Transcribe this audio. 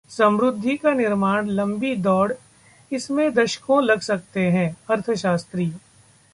समृद्धि का निर्माण लंबी दौड़, इसमें दशकों लग सकते हैं: अर्थशास्त्री